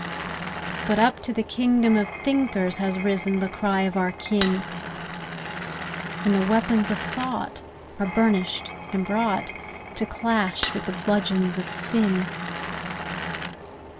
But up to the Kingdom of Thinkers Has risen the cry of our kin; And the weapons of thought are burnished and brought To clash with the bludgeons of sin.